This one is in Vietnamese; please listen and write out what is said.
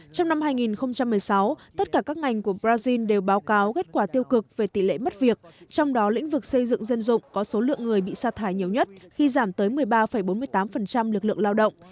trong năm hai nghìn một mươi sáu tất cả các ngành của brazil đều báo cáo kết quả tiêu cực về tỷ lệ mất việc trong đó lĩnh vực xây dựng dân dụng có số lượng người bị xa thải nhiều nhất khi giảm tới một mươi ba bốn mươi tám lực lượng lao động